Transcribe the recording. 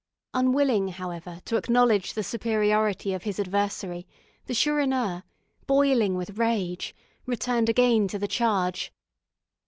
Unwilling, however, to acknowledge the superiority of his adversary, the Chourineur, boiling with rage, returned again to the charge.